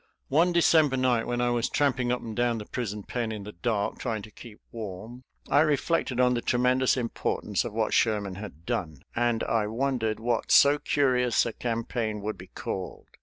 One December night when I was tramping up and down the prison pen in the dark, trying to keep warm, I reflected on the tremendous importance of what Sherman had done. And I wondered what so curious a campaign would be called.